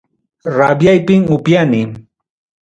Rabiaypim upiani.